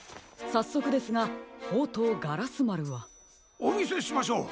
さっそくですがほうとうガラスまるは？おみせしましょう。